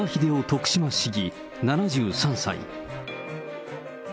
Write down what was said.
徳島市議７３歳。